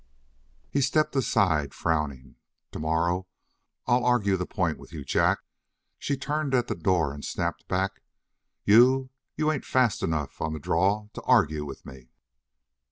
He stepped aside, frowning. "Tomorrow I'll argue the point with you, Jack." She turned at the door and snapped back: "You? You ain't fast enough on the draw to argue with me!"